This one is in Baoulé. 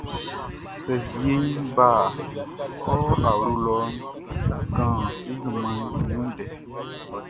Sɛ n wieʼn ń bá ɔ awlo lɔ ń kán e junmanʼn i ndɛ.